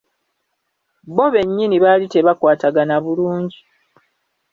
Bbo bennyini baali tebakwatagana bulungi.